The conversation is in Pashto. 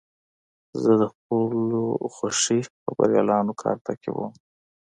زه د خپلو خوښې خبریالانو کار تعقیبوم.